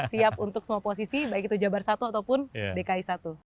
siap untuk semua posisi baik itu jabar satu ataupun dki satu